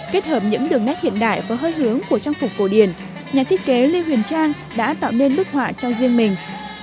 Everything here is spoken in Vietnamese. kết hợp những đường nét hiện đại và hơi hướng của trang phục cổ điển nhà thiết kế lê huyền trang đã tạo nên bức họa cho riêng mình